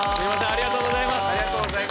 ありがとうございます。